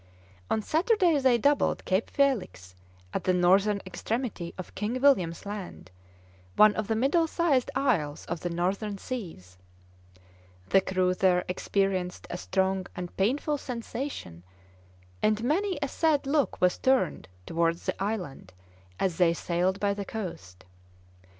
On Saturday they doubled Cape Felix at the northern extremity of King William's Land, one of the middle sized isles of the northern seas. The crew there experienced a strong and painful sensation, and many a sad look was turned towards the island as they sailed by the coast.